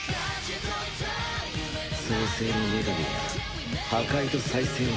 創世の女神は破壊と再生を繰り返す。